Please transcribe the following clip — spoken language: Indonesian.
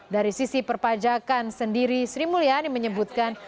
dari sisi perpajakan sendiri sri mulyani menyebutkan